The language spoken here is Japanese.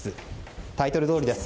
タイトルどおりです。